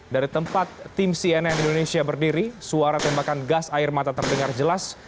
dari tempat tim cnn indonesia berdiri suara tembakan gas air mata terdengar jelas